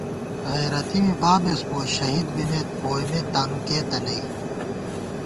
غیرَتی می بابېس بُوَہ شہید بِمېت ووئیمېت تانُو کېتہ نئ